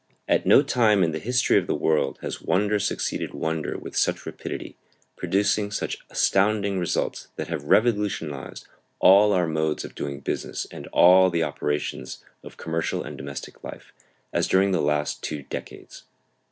At no time in the history of the world has wonder succeeded wonder with such rapidity, producing such astounding results that have revolutionized all our modes of doing business and all of the operations of commercial and domestic life, as during the last two decades.